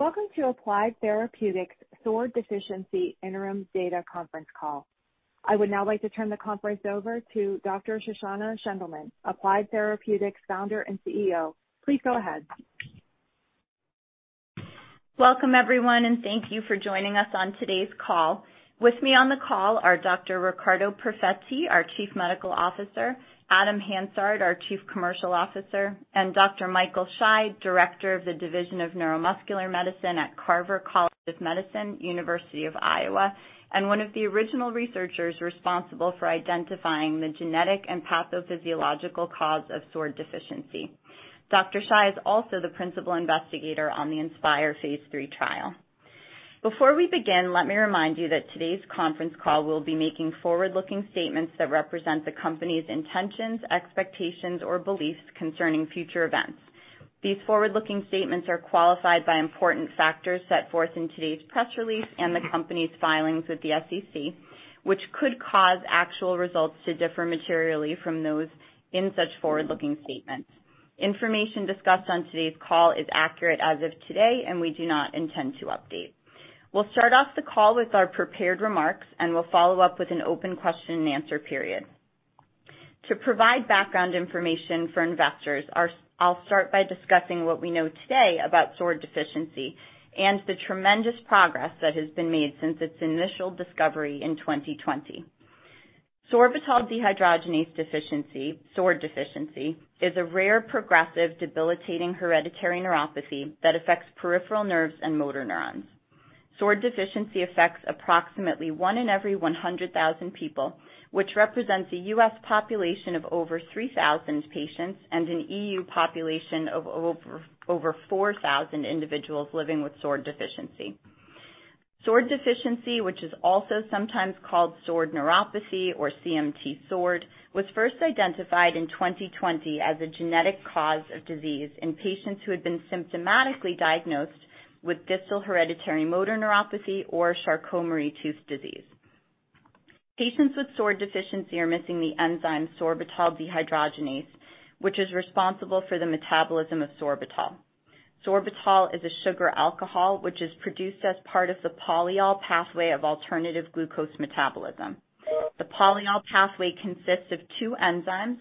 Welcome to Applied Therapeutics SORD Deficiency Interim Data Conference Call. I would now like to turn the conference over to Dr. Shoshana Shendelman, Applied Therapeutics Founder and CEO. Please go ahead. Welcome, everyone, and thank you for joining us on today's call. With me on the call are Dr. Riccardo Perfetti, our Chief Medical Officer, Adam Hansard, our Chief Commercial Officer, and Dr. Michael Shy, Director of the Division of Neuromuscular Medicine at Carver College of Medicine, University of Iowa, and one of the original researchers responsible for identifying the genetic and pathophysiological cause of SORD deficiency. Dr. Shy is also the principal investigator on the INSPIRE phase 3 trial. Before we begin, let me remind you that today's conference call will be making forward-looking statements that represent the company's intentions, expectations, or beliefs concerning future events. These forward-looking statements are qualified by important factors set forth in today's press release and the company's filings with the SEC, which could cause actual results to differ materially from those in such forward-looking statements. Information discussed on today's call is accurate as of today. We do not intend to update. We'll start off the call with our prepared remarks. We'll follow up with an open question and answer period. To provide background information for investors, I'll start by discussing what we know today about SORD deficiency and the tremendous progress that has been made since its initial discovery in 2020. Sorbitol dehydrogenase deficiency, SORD deficiency, is a rare, progressive, debilitating hereditary neuropathy that affects peripheral nerves and motor neurons. SORD deficiency affects approximately one in every 100,000 people, which represents a U.S. population of over 3,000 patients and an E.U. population of over 4,000 individuals living with SORD deficiency. SORD deficiency, which is also sometimes called SORD neuropathy or CMT SORD, was first identified in 2020 as a genetic cause of disease in patients who had been symptomatically diagnosed with distal hereditary motor neuropathy or Charcot-Marie-Tooth disease. Patients with SORD deficiency are missing the enzyme sorbitol dehydrogenase, which is responsible for the metabolism of sorbitol. Sorbitol is a sugar alcohol which is produced as part of the polyol pathway of alternative glucose metabolism. The polyol pathway consists of two enzymes,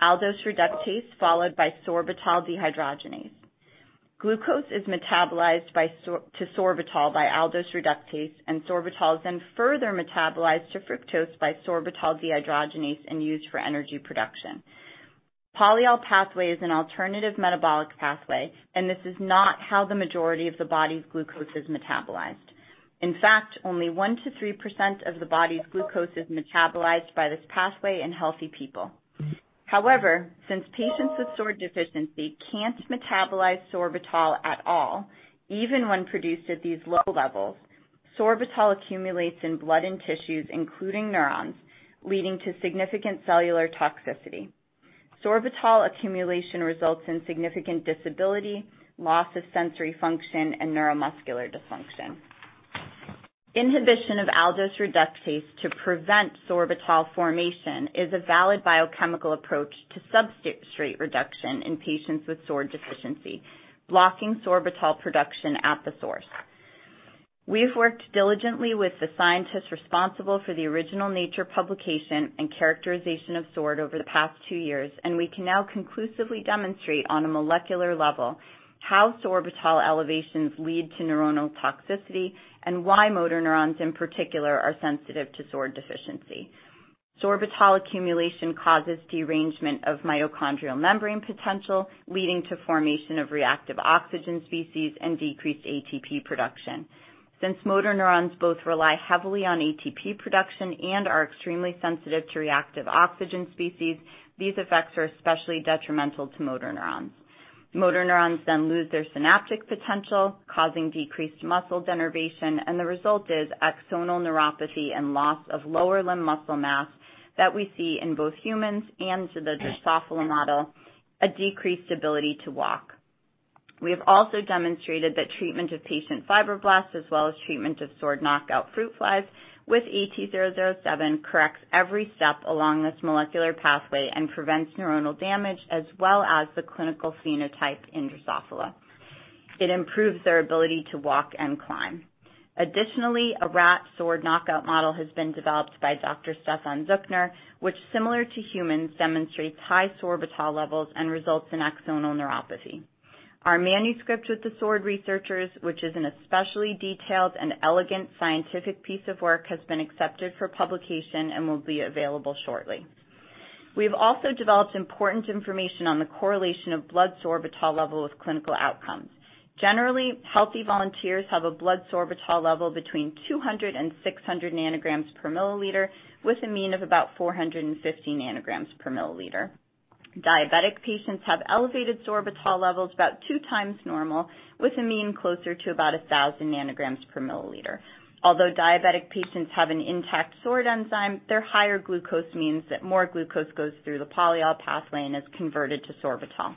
aldose reductase followed by sorbitol dehydrogenase. Glucose is metabolized to sorbitol by aldose reductase, and sorbitol is then further metabolized to fructose by sorbitol dehydrogenase and used for energy production. Polyol pathway is an alternative metabolic pathway, and this is not how the majority of the body's glucose is metabolized. In fact, only 1%-3% of the body's glucose is metabolized by this pathway in healthy people. However, since patients with SORD deficiency can't metabolize sorbitol at all, even when produced at these low levels, sorbitol accumulates in blood and tissues, including neurons, leading to significant cellular toxicity. Sorbitol accumulation results in significant disability, loss of sensory function, and neuromuscular dysfunction. Inhibition of aldose reductase to prevent sorbitol formation is a valid biochemical approach to substrate reduction in patients with SORD deficiency, blocking sorbitol production at the source. We have worked diligently with the scientists responsible for the original Nature publication and characterization of SORD over the past two years, and we can now conclusively demonstrate on a molecular level how sorbitol elevations lead to neuronal toxicity and why motor neurons in particular are sensitive to SORD deficiency. Sorbitol accumulation causes derangement of mitochondrial membrane potential, leading to formation of reactive oxygen species and decreased ATP production. Since motor neurons both rely heavily on ATP production and are extremely sensitive to reactive oxygen species, these effects are especially detrimental to motor neurons. Motor neurons then lose their synaptic potential, causing decreased muscle denervation, and the result is axonal neuropathy and loss of lower limb muscle mass that we see in both humans and to the Drosophila model, a decreased ability to walk. We have also demonstrated that treatment of patient fibroblasts as well as treatment of SORD knockout fruit flies with AT-007 corrects every step along this molecular pathway and prevents neuronal damage as well as the clinical phenotype in Drosophila. It improves their ability to walk and climb. Additionally, a rat SORD knockout model has been developed by Dr. Stephan Zuchner, which similar to humans, demonstrates high sorbitol levels and results in axonal neuropathy. Our manuscript with the SORD researchers, which is an especially detailed and elegant scientific piece of work, has been accepted for publication and will be available shortly. We have also developed important information on the correlation of blood sorbitol level with clinical outcomes. Generally, healthy volunteers have a blood sorbitol level between 200 and 600 nanograms per milliliter with a mean of about 450 nanograms per milliliter. Diabetic patients have elevated sorbitol levels about 2x normal, with a mean closer to about 1,000 nanograms per milliliter. Although diabetic patients have an intact SORD enzyme, their higher glucose means that more glucose goes through the polyol pathway and is converted to sorbitol.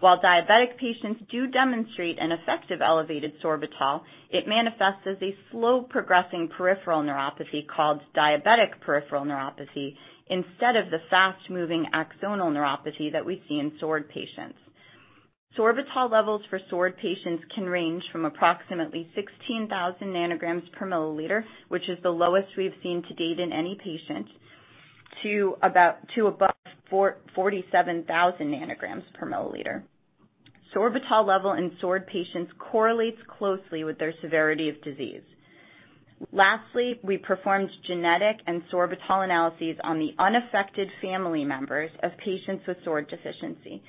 While diabetic patients do demonstrate an effective elevated sorbitol, it manifests as a slow progressing peripheral neuropathy called diabetic peripheral neuropathy instead of the fast-moving axonal neuropathy that we see in SORD patients. Sorbitol levels for SORD patients can range from approximately 16,000 nanograms per milliliter, which is the lowest we've seen to date in any patient, to above 47,000 nanograms per milliliter. Sorbitol level in SORD patients correlates closely with their severity of disease. Lastly, we performed genetic and sorbitol analyses on the unaffected family members of patients with SORD deficiency.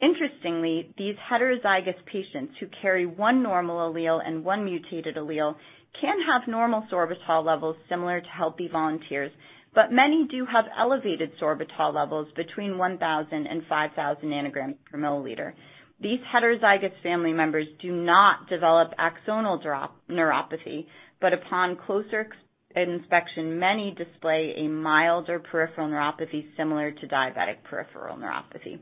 Interestingly, these heterozygous patients who carry one normal allele and one mutated allele can have normal sorbitol levels similar to healthy volunteers, but many do have elevated sorbitol levels between 1,000 and 5,000 nanograms per milliliter. These heterozygous family members do not develop axonal neuropathy, upon closer inspection, many display a milder peripheral neuropathy similar to diabetic peripheral neuropathy.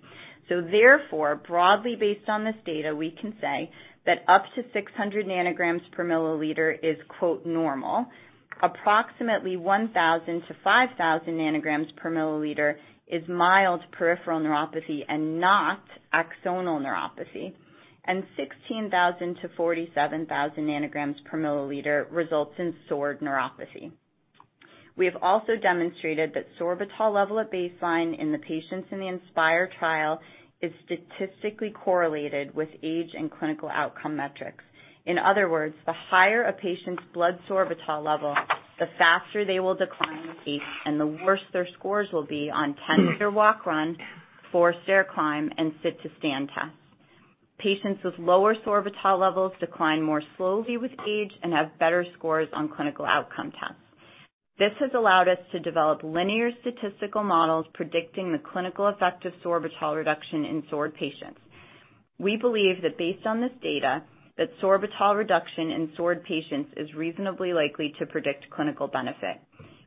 Therefore, broadly based on this data, we can say that up to 600 nanograms per milliliter is "normal." Approximately 1,000 nanograms per milliliter-5,000 nanograms per milliliter is mild peripheral neuropathy and not axonal neuropathy, and 16,000 nanograms per milliliter-47,000 nanograms per milliliter results in SORD neuropathy. We have also demonstrated that sorbitol level at baseline in the patients in the INSPIRE trial is statistically correlated with age and clinical outcome metrics. In other words, the higher a patient's blood sorbitol level, the faster they will decline with age and the worse their scores will be on 10-meter walk/run, four-stair climb, and sit-to-stand tests. Patients with lower sorbitol levels decline more slowly with age and have better scores on clinical outcome tests. This has allowed us to develop linear statistical models predicting the clinical effect of sorbitol reduction in SORD patients. We believe that based on this data, that sorbitol reduction in SORD patients is reasonably likely to predict clinical benefit.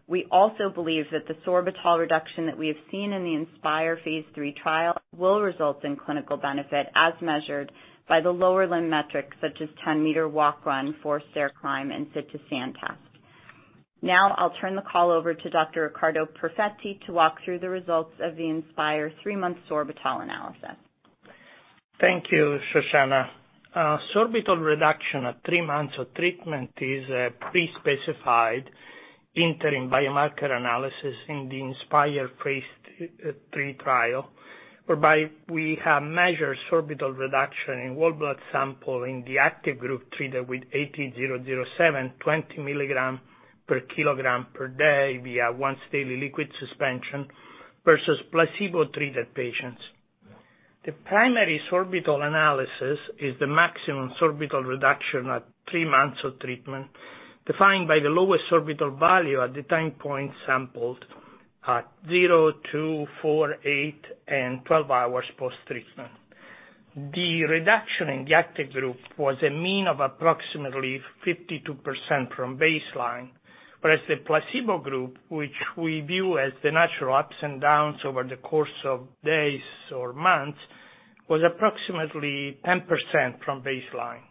We also believe that the sorbitol reduction that we have seen in the INSPIRE phase 3 trial will result in clinical benefit as measured by the lower limb metrics such as 10-meter walk/run, four-stair climb, and sit-to-stand test. I'll turn the call over to Dr. Riccardo Perfetti to walk through the results of the INSPIRE three-month sorbitol analysis. Thank you, Shoshana. Sorbitol reduction at three months of treatment is a pre-specified interim biomarker analysis in the INSPIRE phase 3 trial, whereby we have measured sorbitol reduction in whole blood sample in the active group treated with AT-007, 20 milligram per kilogram per day via once daily liquid suspension versus placebo-treated patients. The primary sorbitol analysis is the maximum sorbitol reduction at three months of treatment, defined by the lowest sorbitol value at the time point sampled at zero, two, four, eight, and 12 hours post-treatment. The reduction in the active group was a mean of approximately 52% from baseline, whereas the placebo group, which we view as the natural ups and downs over the course of days or months, was approximately 10% from baseline.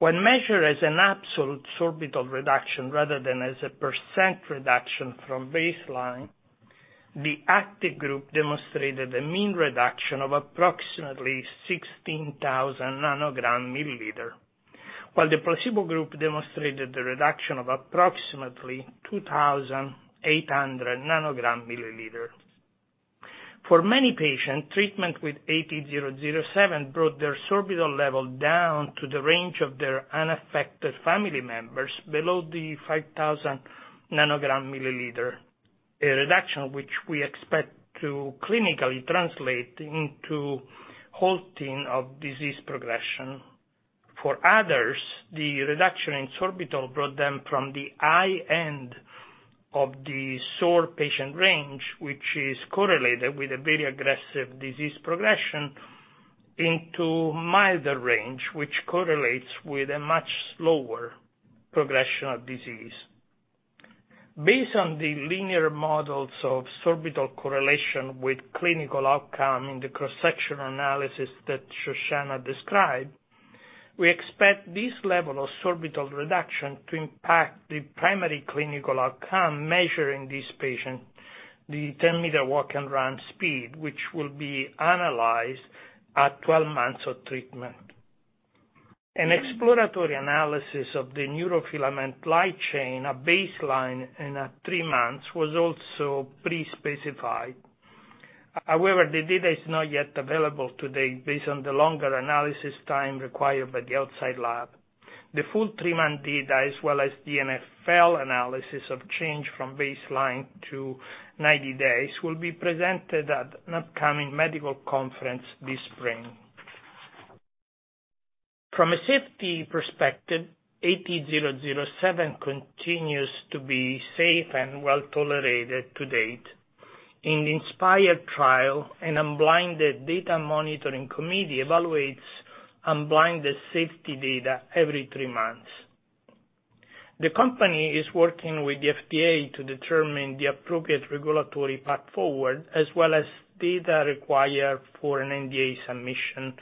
When measured as an absolute sorbitol reduction rather than as a % reduction from baseline, the active group demonstrated a mean reduction of approximately 16,000 nanogram milliliter, while the placebo group demonstrated a reduction of approximately 2,800 nanogram milliliter. For many patients, treatment with AT-007 brought their sorbitol level down to the range of their unaffected family members below the 5,000 nanogram milliliter, a reduction which we expect to clinically translate into halting of disease progression. For others, the reduction in sorbitol brought them from the high end of the SORD patient range, which is correlated with a very aggressive disease progression, into milder range, which correlates with a much slower progression of disease. Based on the linear models of sorbitol correlation with clinical outcome in the cross-sectional analysis that Shoshana described, we expect this level of sorbitol reduction to impact the primary clinical outcome measuring these patients, the 10-meter walk and run speed, which will be analyzed at 12 months of treatment. An exploratory analysis of the neurofilament light chain at baseline and at three months was also pre-specified. The data is not yet available today based on the longer analysis time required by the outside lab. The full three-month data as well as the NFL analysis of change from baseline to 90 days will be presented at an upcoming medical conference this spring. From a safety perspective, AT-007 continues to be safe and well-tolerated to date. In the INSPIRE trial, an unblinded Data Monitoring Committee evaluates unblinded safety data every three months. The company is working with the FDA to determine the appropriate regulatory path forward as well as data required for an NDA submission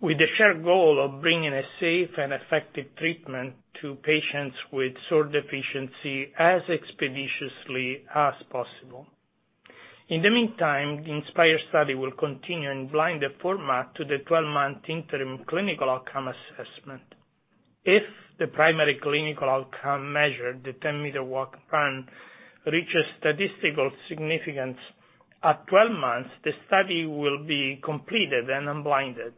with the shared goal of bringing a safe and effective treatment to patients with SORD deficiency as expeditiously as possible. In the meantime, the INSPIRE study will continue in blinded format to the 12-month interim clinical outcome assessment. If the primary clinical outcome measure, the 10-meter walk run, reaches statistical significance at 12 months, the study will be completed and unblinded.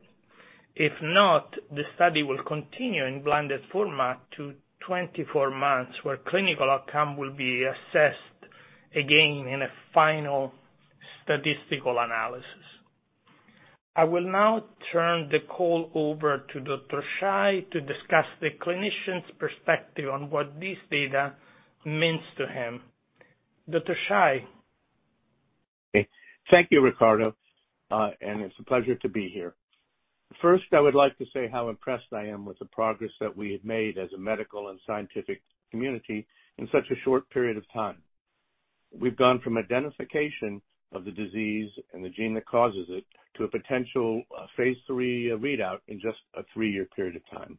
If not, the study will continue in blinded format to 24 months, where clinical outcome will be assessed again in a final statistical analysis. I will now turn the call over to Dr. Shy to discuss the clinician's perspective on what this data means to him. Dr. Shy? Thank you, Riccardo. It's a pleasure to be here. First, I would like to say how impressed I am with the progress that we have made as a medical and scientific community in such a short period of time. We've gone from identification of the disease and the gene that causes it to a potential, phase 3 readout in just a three-year period of time.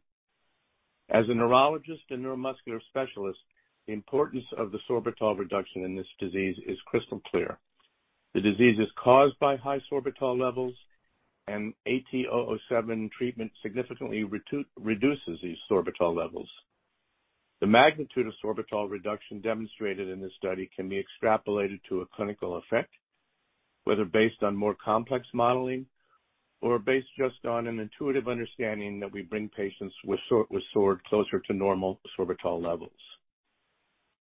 As a neurologist and neuromuscular specialist, the importance of the sorbitol reduction in this disease is crystal clear. The disease is caused by high sorbitol levels, AT-007 treatment significantly reduces these sorbitol levels. The magnitude of sorbitol reduction demonstrated in this study can be extrapolated to a clinical effect, whether based on more complex modeling or based just on an intuitive understanding that we bring patients with SORD closer to normal sorbitol levels.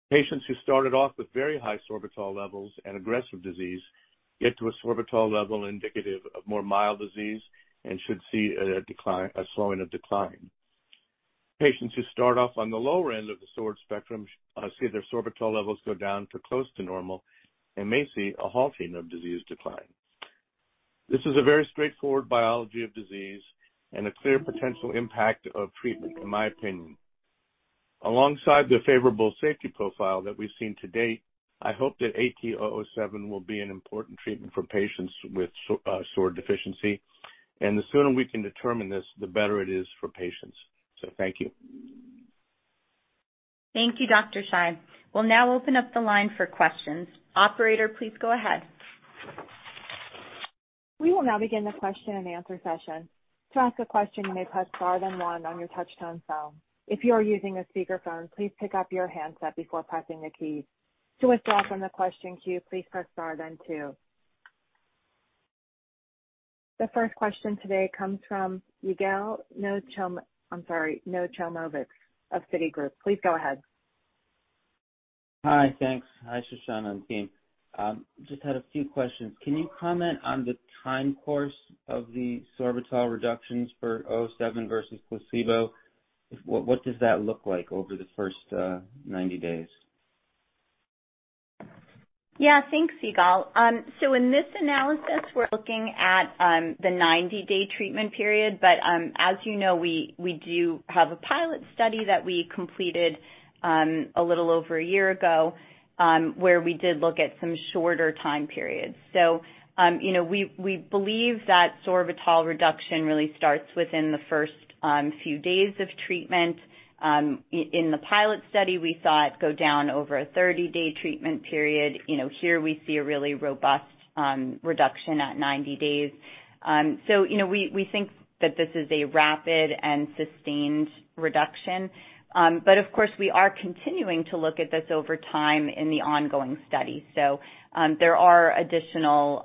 Patients who started off with very high sorbitol levels and aggressive disease get to a sorbitol level indicative of more mild disease and should see a decline, a slowing of decline. Patients who start off on the lower end of the SORD spectrum see their sorbitol levels go down to close to normal and may see a halting of disease decline. This is a very straightforward biology of disease and a clear potential impact of treatment, in my opinion. Alongside the favorable safety profile that we've seen to date, I hope that AT-007 will be an important treatment for patients with SORD deficiency. The sooner we can determine this, the better it is for patients. Thank you. Thank you, Dr. Shy. We'll now open up the line for questions. Operator, please go ahead. We will now begin the question and answer session. To ask a question, you may press star then one on your touch-tone phone. If you are using a speakerphone, please pick up your handset before pressing a key. To withdraw from the question queue, please press star then two. The first question today comes from Yigal I'm sorry, Nochomovitz of Citigroup. Please go ahead. Hi, thanks. Hi, Shoshana and team. Just had a few questions. Can you comment on the time course of the sorbitol reductions for 007 versus placebo? What does that look like over the first 90 days? Yeah, thanks, Yigal. In this analysis, we're looking at the 90-day treatment period. As you know, we do have a pilot study that we completed a little over a year ago, where we did look at some shorter time periods. You know, we believe that sorbitol reduction really starts within the first few days of treatment. In the pilot study, we saw it go down over a 30-day treatment period. You know, here we see a really robust reduction at 90 days. You know, we think that this is a rapid and sustained reduction. Of course, we are continuing to look at this over time in the ongoing study. There are additional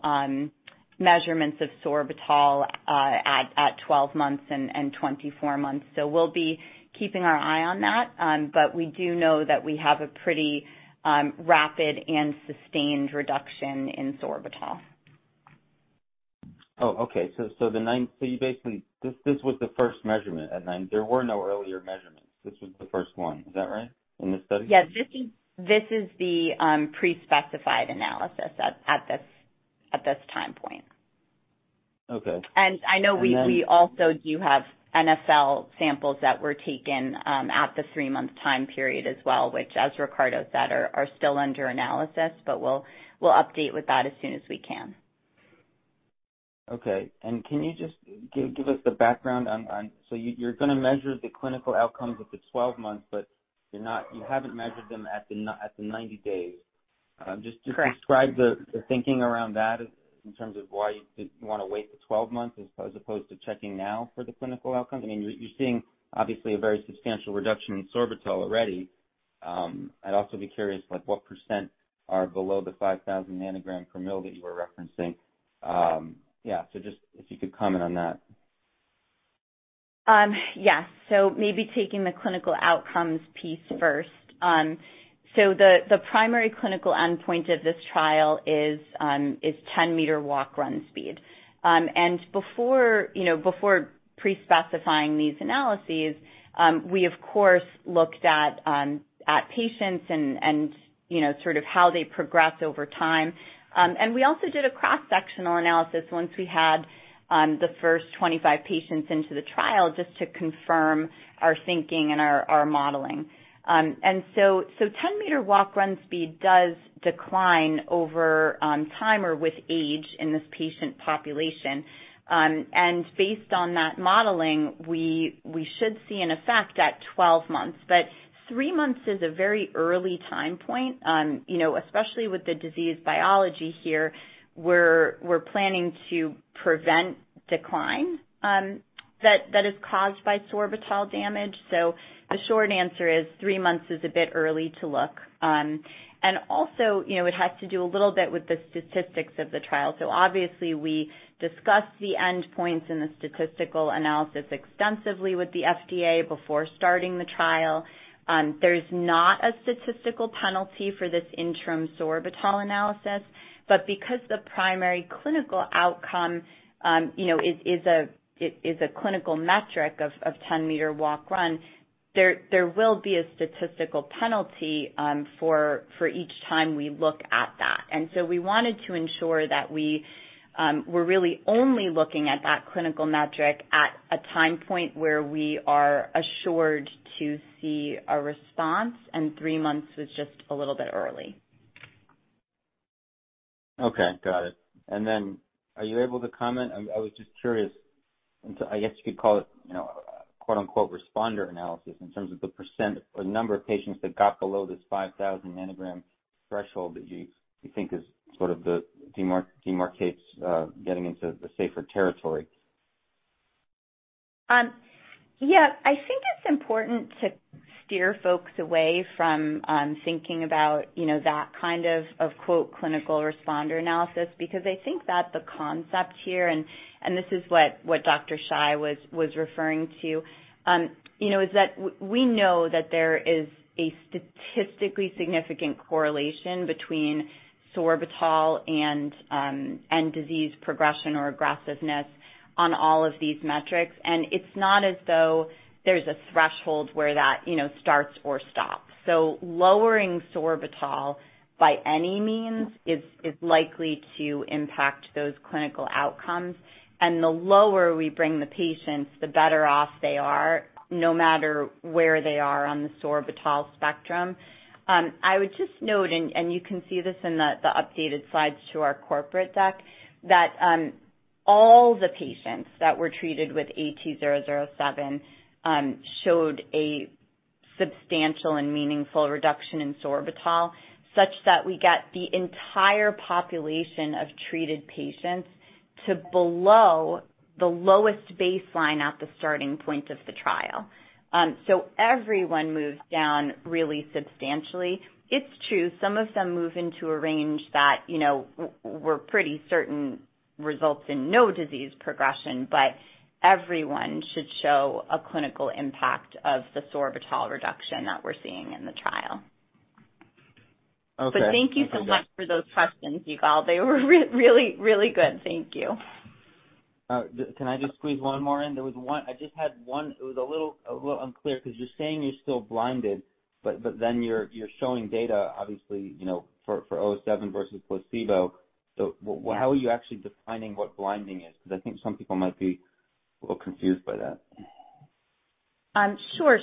measurements of sorbitol at 12 months and 24 months. We'll be keeping our eye on that. We do know that we have a pretty rapid and sustained reduction in sorbitol. Oh, okay. This was the first measurement at nine. There were no earlier measurements. This was the first one. Is that right in this study? Yes. This is the pre-specified analysis at this time point. And I know- then- We also do have NFL samples that were taken at the three-month time period as well, which, as Riccardo said, are still under analysis, but we'll update with that as soon as we can. Okay. Can you just give us the background on. You're gonna measure the clinical outcomes at the 12 months, but you're not, you haven't measured them at the 90 days. Correct. Describe the thinking around that in terms of why you want to wait for 12 months as opposed to checking now for the clinical outcome? I mean, you're seeing obviously a very substantial reduction in sorbitol already. I'd also be curious, like what % are below the 5,000 nanogram per ml that you were referencing? Yeah. Just if you could comment on that. Yes. Maybe taking the clinical outcomes piece first. The primary clinical endpoint of this trial is 10-meter walk/run speed. Before, you know, before pre-specifying these analyses, we of course looked at patients and, you know, sort of how they progress over time. We also did a cross-sectional analysis once we had the first 25 patients into the trial just to confirm our thinking and our modeling. 10-meter walk/run speed does decline over time or with age in this patient population. Based on that modeling, we should see an effect at 12 months. three months is a very early time point, you know, especially with the disease biology here. We're, we're planning to prevent decline that is caused by sorbitol damage. The short answer is three months is a bit early to look. Also, you know, it has to do a little bit with the statistics of the trial. Obviously we discussed the endpoints and the statistical analysis extensively with the FDA before starting the trial. There's not a statistical penalty for this interim sorbitol analysis. Because the primary clinical outcome, you know, is a clinical metric of 10-meter walk/run, there will be a statistical penalty for each time we look at that. We wanted to ensure that we were really only looking at that clinical metric at a time point where we are assured to see a response, and three months was just a little bit early. Okay, got it. Are you able to comment, I was just curious, and I guess you could call it, you know, quote-unquote, responder analysis in terms of the % or number of patients that got below this 5,000 nanogram threshold that you think is sort of the demarcates getting into the safer territory. Yeah. I think it's important to steer folks away from thinking about, you know, that kind of quote, clinical responder analysis. Because I think that the concept here, and this is what Dr. Shy was referring to, you know, is that we know that there is a statistically significant correlation between sorbitol and disease progression or aggressiveness on all of these metrics. It's not as though there's a threshold where that, you know, starts or stops. Lowering sorbitol by any means is likely to impact those clinical outcomes. The lower we bring the patients, the better off they are, no matter where they are on the sorbitol spectrum. I would just note, and you can see this in the updated slides to our corporate deck, that, all the patients that were treated with AT-007 showed a substantial and meaningful reduction in sorbitol, such that we got the entire population of treated patients to below the lowest baseline at the starting point of the trial. Everyone moved down really substantially. It's true, some of them move into a range that, you know, were pretty certain results in no disease progression, but everyone should show a clinical impact of the sorbitol reduction that we're seeing in the trial. Thank you so much for those questions, Yigal. They were really good. Thank you. Can I just squeeze one more in? I just had one. It was a little unclear because you're saying you're still blinded, but then you're showing data obviously, you know, for 007 versus placebo. How are you actually defining what blinding is? Because I think some people might be a little confused by that. Sure.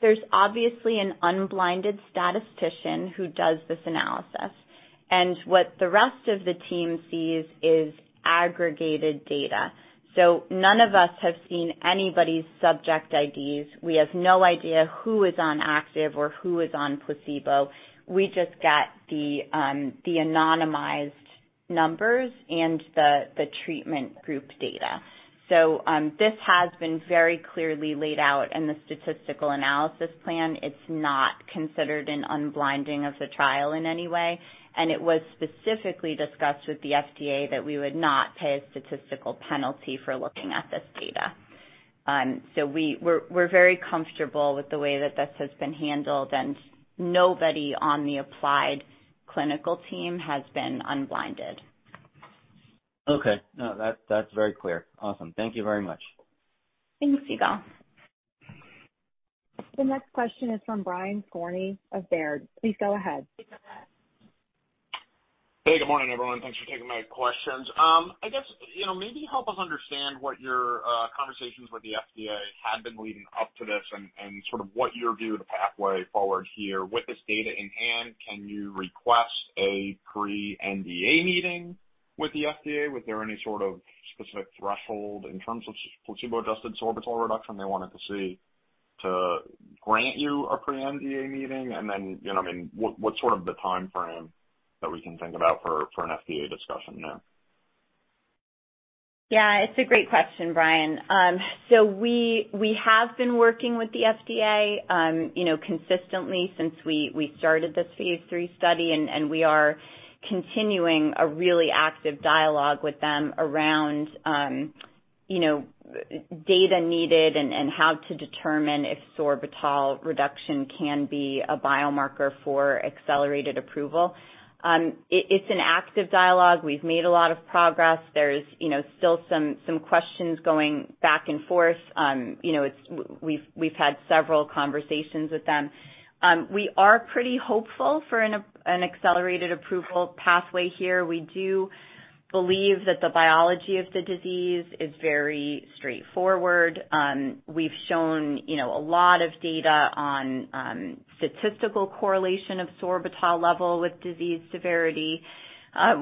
There's obviously an unblinded statistician who does this analysis. What the rest of the team sees is aggregated data. None of us have seen anybody's subject IDs. We have no idea who is on active or who is on placebo. We just get the anonymized numbers and the treatment group data. This has been very clearly laid out in the statistical analysis plan. It's not considered an unblinding of the trial in any way, and it was specifically discussed with the FDA that we would not pay a statistical penalty for looking at this data. We're very comfortable with the way that this has been handled, and nobody on the Applied clinical team has been unblinded. Okay. No, that's very clear. Awesome. Thank you very much. Thanks, Yigal. The next question is from Brian Skorney of Baird. Please go ahead. Hey, good morning, everyone. Thanks for taking my questions. I guess, you know, maybe help us understand what your conversations with the FDA had been leading up to this and sort of what your view of the pathway forward here. With this data in hand, can you request a pre-NDA meeting with the FDA? Was there any sort of specific threshold in terms of placebo-adjusted sorbitol reduction they wanted to see to grant you a pre-NDA meeting? Then, you know, I mean, what's sort of the timeframe that we can think about for an FDA discussion now? Yeah, it's a great question, Brian. We, we have been working with the FDA, you know, consistently since we started this phase 3 study. We are continuing a really active dialogue with them around, You know, data needed and how to determine if sorbitol reduction can be a biomarker for accelerated approval. It's an active dialogue. We've made a lot of progress. There's, you know, still some questions going back and forth. You know, we've had several conversations with them. We are pretty hopeful for an accelerated approval pathway here. We do believe that the biology of the disease is very straightforward. We've shown, you know, a lot of data on statistical correlation of sorbitol level with disease severity.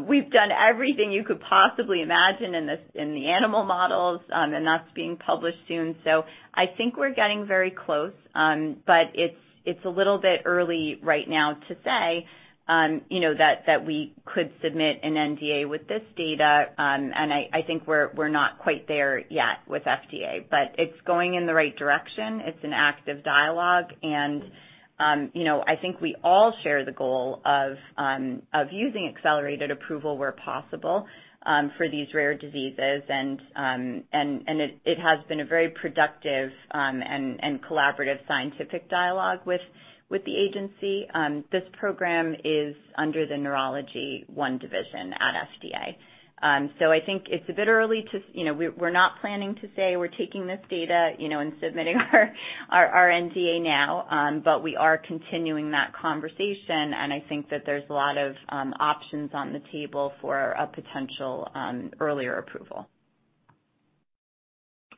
We've done everything you could possibly imagine in the, in the animal models, and that's being published soon. I think we're getting very close. It's, it's a little bit early right now to say, you know, that we could submit an NDA with this data. I think we're not quite there yet with FDA, but it's going in the right direction. It's an active dialogue, and, you know, I think we all share the goal of using Accelerated Approval where possible for these rare diseases. It has been a very productive and collaborative scientific dialogue with the agency. This program is under the Division of Neurology I at FDA. I think it's a bit early to... You know, we're not planning to say we're taking this data, you know, and submitting our NDA now. We are continuing that conversation, and I think that there's a lot of options on the table for a potential earlier approval.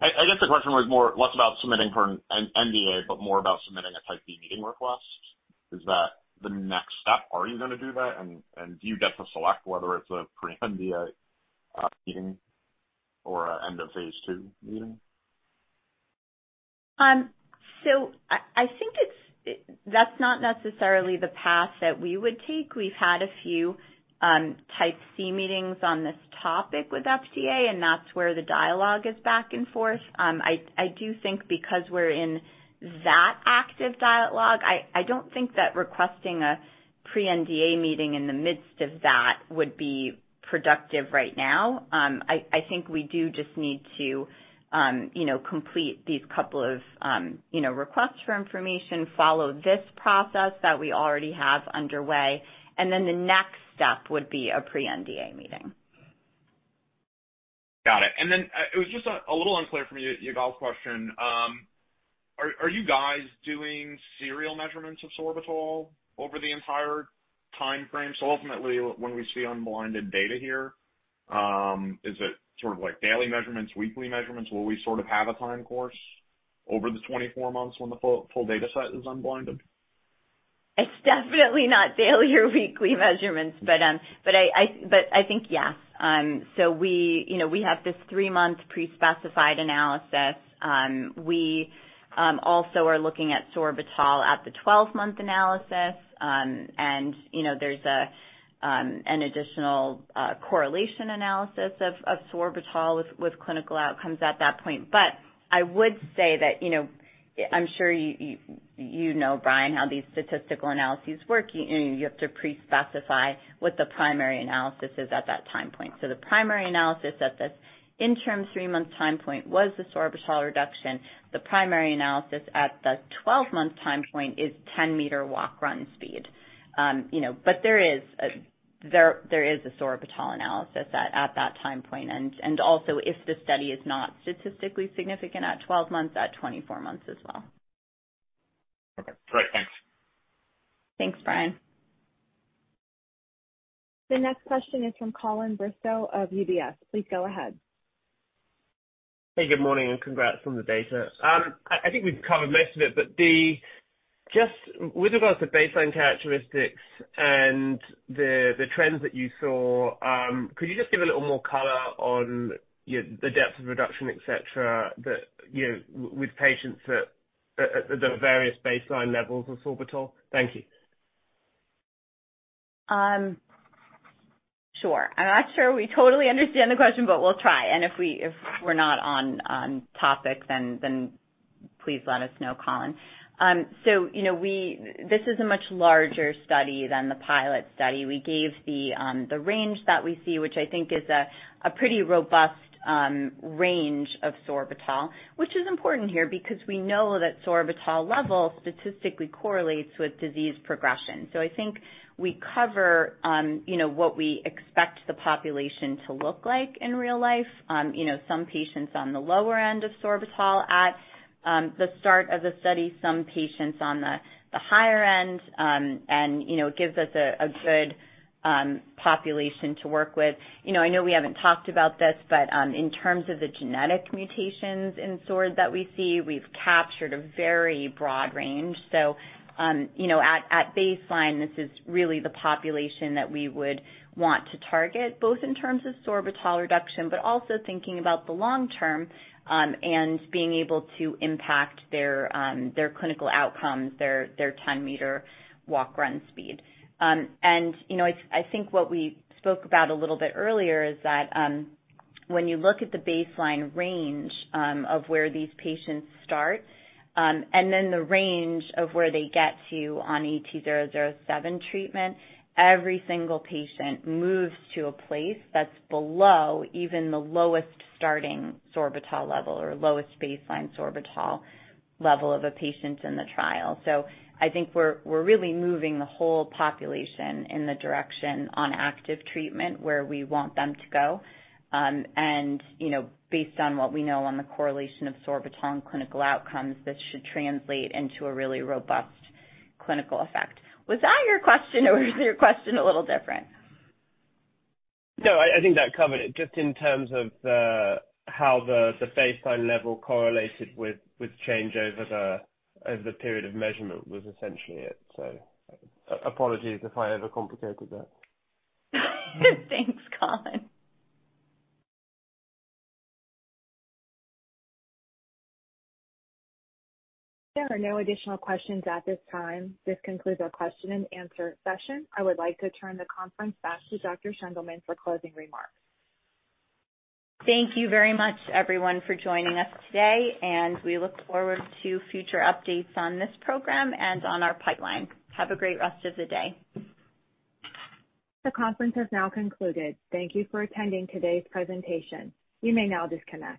I guess the question was less about submitting for an NDA, but more about submitting a type B meeting request. Is that the next step? Are you gonna do that? Do you get to select whether it's a pre-NDA meeting or an end of phase 2 meeting? I think that's not necessarily the path that we would take. We've had a few, Type C meeting on this topic with FDA. That's where the dialogue is back and forth. I do think because we're in that active dialogue, I don't think that requesting a pre-NDA meeting in the midst of that would be productive right now. I think we do just need to, you know, complete these couple of, you know, requests for information, follow this process that we already have underway. Then the next step would be a pre-NDA meeting. Got it. Then, it was just a little unclear for me, Yigal's question. Are you guys doing serial measurements of sorbitol over the entire timeframe? Ultimately, when we see unblinded data here, is it sort of like daily measurements, weekly measurements? Will we sort of have a time course over the 24 months when the full data set is unblinded? It's definitely not daily or weekly measurements, but I think, yeah. We, you know, we have this 3-month pre-specified analysis. We also are looking at sorbitol at the 12-month analysis. You know, there's an additional correlation analysis of sorbitol with clinical outcomes at that point. I would say that, you know, I'm sure you know, Brian, how these statistical analyses work. You know, you have to pre-specify what the primary analysis is at that time point. The primary analysis at the interim three-month time point was the sorbitol reduction. The primary analysis at the 12-month time point is 10-meter walk run speed. You know, there is a sorbitol analysis at that time point. Also if the study is not statistically significant at 12 months, at 24 months as well. Okay, great. Thanks. Thanks, Brian. The next question is from Colin Bristow of UBS. Please go ahead. Hey, good morning, and congrats on the data. I think we've covered most of it, but Just with regards to baseline characteristics and the trends that you saw, could you just give a little more color on the depth of reduction, et cetera, that, you know, with patients at the various baseline levels of sorbitol? Thank you. Sure. I'm not sure we totally understand the question, but we'll try. If we're not on topic, then please let us know, Colin. You know, this is a much larger study than the pilot study. We gave the range that we see, which I think is a pretty robust range of sorbitol, which is important here because we know that sorbitol level statistically correlates with disease progression. I think we cover, you know, what we expect the population to look like in real life. You know, some patients on the lower end of sorbitol at the start of the study, some patients on the higher end. And, you know, it gives us a good population to work with. You know, I know we haven't talked about this, but in terms of the genetic mutations in SORD that we see, we've captured a very broad range. You know, at baseline, this is really the population that we would want to target, both in terms of sorbitol reduction, but also thinking about the long term, and being able to impact their clinical outcomes, their 10-meter walk/run speed. You know, I think what we spoke about a little bit earlier is that when you look at the baseline range of where these patients start, and then the range of where they get to on AT-007 treatment, every single patient moves to a place that's below even the lowest starting sorbitol level or lowest baseline sorbitol level of a patient in the trial. I think we're really moving the whole population in the direction on active treatment where we want them to go. You know, based on what we know on the correlation of sorbitol and clinical outcomes, this should translate into a really robust clinical effect. Was that your question or was your question a little different? No, I think that covered it. Just in terms of the, how the baseline level correlated with change over the period of measurement was essentially it. Apologies if I overcomplicated that. Thanks, Colin. There are no additional questions at this time. This concludes our question and answer session. I would like to turn the conference back to Dr. Shendelman for closing remarks. Thank you very much, everyone, for joining us today, and we look forward to future updates on this program and on our pipeline. Have a great rest of the day. The conference has now concluded. Thank You for attending today's presentation. You may now disconnect.